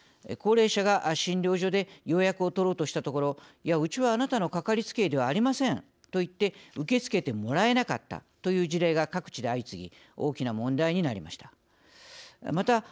高齢者が診療所で予約を取ろうとしたところ「いやうちはあなたのかかりつけ医ではありません」と言って受け付けてもらえなかったという事例が各地で相次ぎ大きな問題になりました。